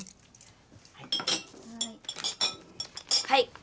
はい。